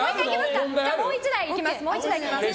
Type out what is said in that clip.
もう１題行きます。